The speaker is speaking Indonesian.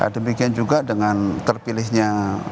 demikian juga dengan terpilihnya